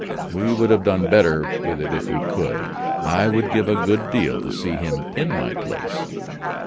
We would have done better with it if we could. I would give a good deal to see him in my place."